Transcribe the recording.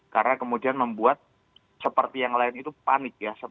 karena kemudian membuat seperti yang lain itu panik ya